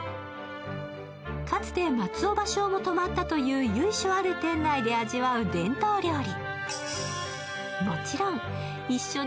かつて松尾芭蕉も泊まったという由緒ある店内で味わう伝統料理。